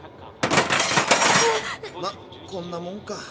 まこんなもんか。